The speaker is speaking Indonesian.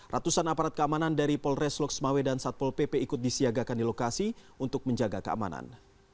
ratusan aparat keamanan dari polres loksmawe dan satpol pp ikut disiagakan di lokasi untuk menjaga keamanan